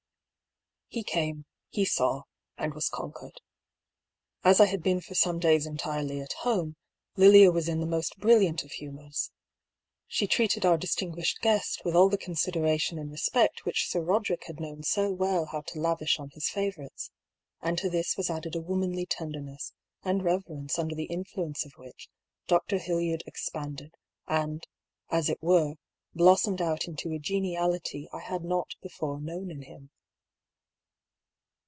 He came, he saw, and was conquered. As I had been for some days entirely at home, Lilia was in the most brilliant of humours. She treated our distin guished guest with all the consideration and respect which Sir Roderick had known so well how to lavish on his favourites ; and to this was added a womanly tender ness and reverence under the influence of which Dr. Hildyard expanded and, as it were, blossomed out into a geniality I had not before known in him.